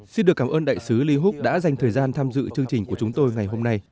xin được cảm ơn đại sứ liwook đã dành thời gian tham dự chương trình của chúng tôi ngày hôm nay